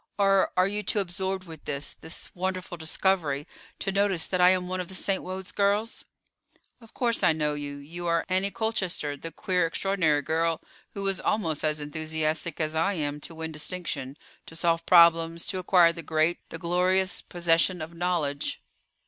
"Or are you too absorbed with this—this wonderful discovery, to notice that I am one of the St. Wode's girls." "Of course I know you; you are Annie Colchester, the queer, extraordinary girl who was almost as enthusiastic as I am to win distinction, to solve problems, to acquire the great, the glorious possession of knowledge."